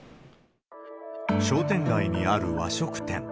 商店街にある和食店。